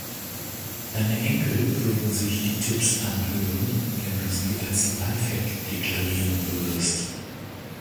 Deine Enkel würden sich die Tipps anhören, wenn du sie als Lifehack deklarieren würdest.